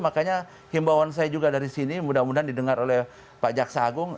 makanya himbauan saya juga dari sini mudah mudahan didengar oleh pak jaksa agung